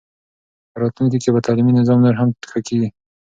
په راتلونکي کې به تعلیمي نظام نور هم ښه کېږي.